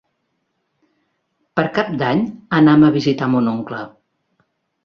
Per Cap d'Any anam a visitar mon oncle.